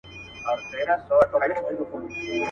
پر کهاله باندي یې زېری د اجل سي.